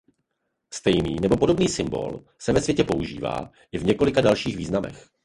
Stejný nebo podobný symbol se ve světě používá i v několika dalších významech.